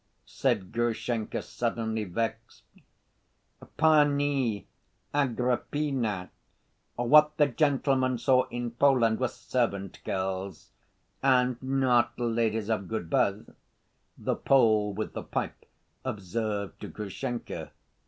said Grushenka, suddenly vexed. "Pani Agrippina, what the gentleman saw in Poland were servant girls, and not ladies of good birth," the Pole with the pipe observed to Grushenka.